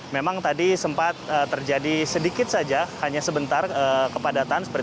memang tadi sempat terjadi sedikit saja hanya sebentar kepadatan